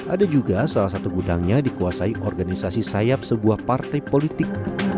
ada juga salah satu gudangnya dikuasai organisasi sayap sebuah partai politik